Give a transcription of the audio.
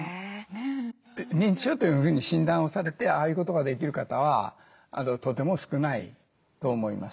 認知症というふうに診断をされてああいうことができる方はとても少ないと思います。